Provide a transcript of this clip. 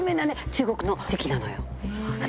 中国の磁器なのよ。